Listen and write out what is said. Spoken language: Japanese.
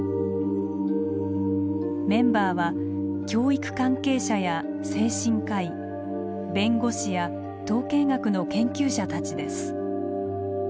メンバーは教育関係者や精神科医弁護士や統計学の研究者たちです。